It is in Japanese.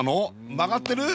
曲がってる？